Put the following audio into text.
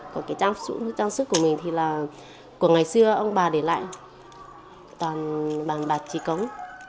còn cái trang sức của mình thì là của ngày xưa ông bà để lại toàn bàn bạc trí cống